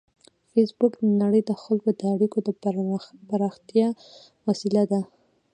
فېسبوک د نړۍ د خلکو د اړیکو د پراختیا وسیله ده